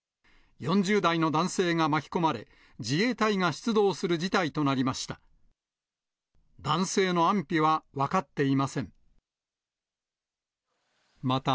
４０代の男性が巻き込まれ、自衛隊が出動する事態となりました。